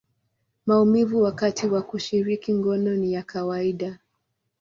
maumivu wakati wa kushiriki ngono ni ya kawaida.